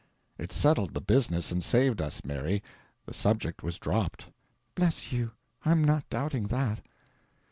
"It settled the business, and saved us, Mary. The subject was dropped." "Bless you, I'm not doubting THAT."